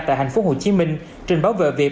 tại tp hcm trình báo về việc